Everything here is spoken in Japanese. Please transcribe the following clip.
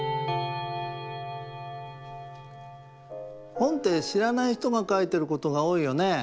本ってしらないひとがかいてることがおおいよね。